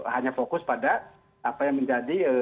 hanya fokus pada apa yang menjadi